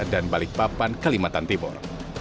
dan balikpapan kalimantan timur